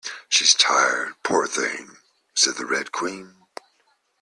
‘She’s tired, poor thing!’ said the Red Queen.